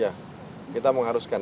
iya kita mengharuskan